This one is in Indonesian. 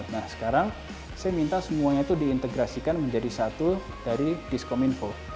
nah sekarang saya minta semuanya itu diintegrasikan menjadi satu dari diskominfo